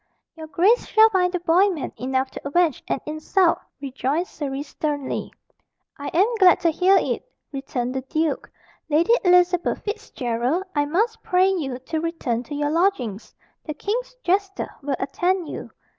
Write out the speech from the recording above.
"Your grace shall find the boy man enough to avenge an insult," rejoined Surrey sternly. "I am glad to hear it," returned the duke. "Lady Elizabeth Fitzgerald, I must pray you to return to your lodgings. The king's jester will attend you.